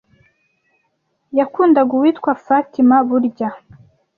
yakundaga uwitwaga Faṭimah burya